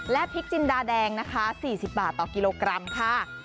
และพริกจินดาแดงนะคะ๔๐บาทต่อกิโลกรัมค่ะ